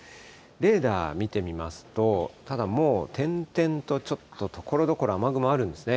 レーダー見てみますと、ただもう、点々とちょっとところどころ、雨雲あるんですね。